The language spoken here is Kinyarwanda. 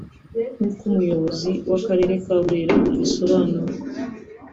nk’uko umuyobozi w’akarere ka Burera abisobanura